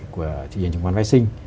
của thị trường chứng khoán phái sinh